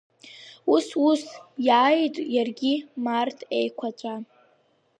Ус-ус, иааит иаргьы, март еиқәаҵәа…